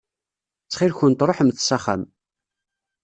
Ttxil-kent ruḥemt s axxam.